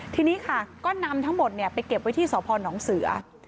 ที่นี้ก็นำทั้งหมดไปเก็บไว้ที่สพนท์น้องเสือ